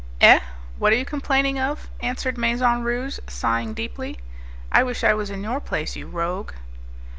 "Eh! what are you complaining of?" answered Maisonrouge, sighing deeply; "I wish I was in your place, you rogue!"